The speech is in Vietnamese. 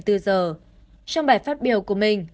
trong bài phát biểu của mình